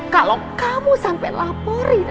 kalau kamu sampai laporin